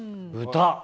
歌！